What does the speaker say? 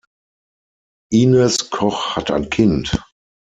Ines Koch hat ein Kind.